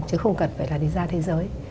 chứ không cần phải là đi ra thế giới